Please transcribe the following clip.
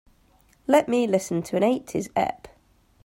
Let me listen to an eighties ep.